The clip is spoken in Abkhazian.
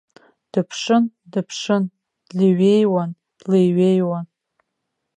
Дыԥшын, дыԥшын, длеиҩеиуан, длеиҩеиуан.